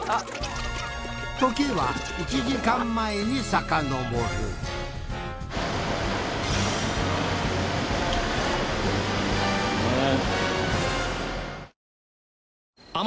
時は１時間前にさかのぼるあ。